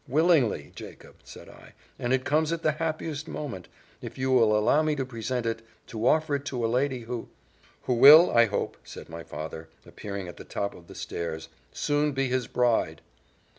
"Willingly, Jacob," said I; "and it comes at the happiest moment if you will allow me to present it, to offer it to a lady, who " "Who will, I hope," said my father, appearing at the top of the stairs, "soon be his bride."